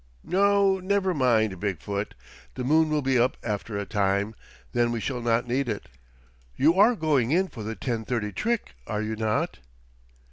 "No; never mind, Big foot. The moon will be up after a time. Then we shall not need it. You are going in for the ten thirty trick, are you not?"